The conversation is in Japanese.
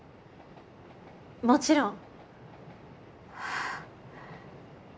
もちろん。